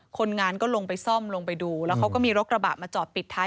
คนงานก็ลงไปซ่อมลงไปดูแล้วเขาก็มีรถกระบะมาจอดปิดท้าย